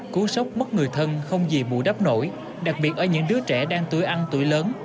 cú sốc mất người thân không gì bù đắp nổi đặc biệt ở những đứa trẻ đang tuổi ăn tuổi lớn